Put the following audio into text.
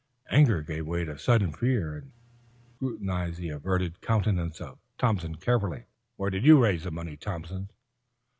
Anger gave way to sudden fear, and he scrutinized the averted countenance of Thompson carefully. "Where'd you raise the money, Thompson?"